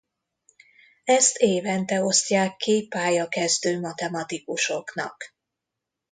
Ezt évente osztják ki pályakezdő matematikusoknak.